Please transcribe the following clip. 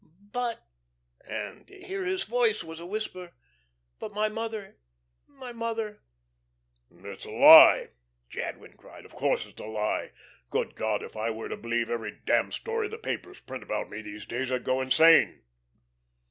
But' and here his voice was a whisper 'but my mother my mother!'" "It's a lie!" Jadwin cried. "Of course it's a lie. Good God, if I were to believe every damned story the papers print about me these days I'd go insane."